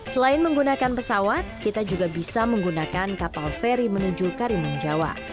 selain menggunakan pesawat kita juga bisa menggunakan kapal feri menuju karimun jawa